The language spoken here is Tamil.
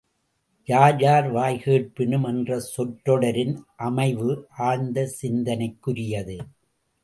யார்யார் வாய்க் கேட்பினும் என்ற சொற்றொடரின் அமைவு ஆழ்ந்த சிந்தனைக் குரியது.